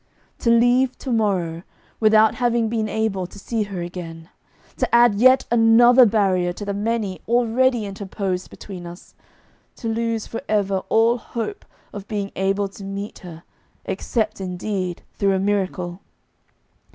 To leave to morrow without having been able to see her again, to add yet another barrier to the many already interposed between us, to lose for ever all hope of being able to meet her, except, indeed, through a miracle!